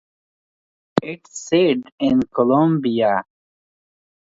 Its seat is in Katzenelnbogen.